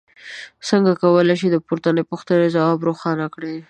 څنګه کولی شئ د پورتنۍ پوښتنې ځواب روښانه کړئ.